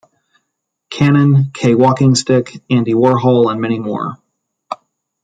Cannon, Kay WalkingStick, Andy Warhol, and many more.